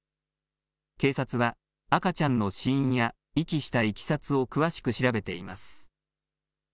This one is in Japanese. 警察は赤ちゃんの死因や遺棄したいきさつを詳しく調べています。